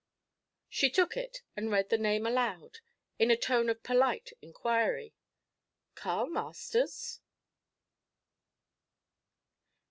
She took it and read the name aloud, and in a tone of polite inquiry: 'Carl Masters?'